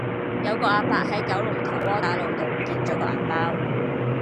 有個亞伯喺九龍塘窩打老道唔見左個銀包